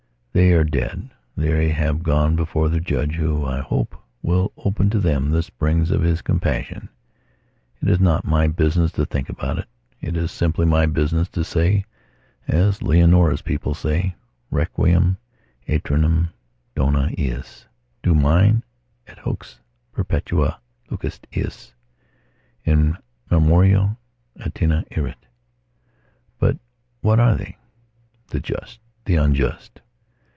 They are dead; they have gone before their Judge who, I hope, will open to them the springs of His compassion. It is not my business to think about it. It is simply my business to say, as Leonora's people say: "Requiem aeternam dona eis, Domine, et lux perpetua luceat eis. In memoria aeterna erit...." But what were they? The just? The unjust?